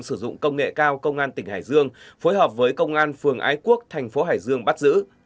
sử dụng công nghệ cao công an tỉnh hải dương phối hợp với công an phường ái quốc thành phố hải dương bắt giữ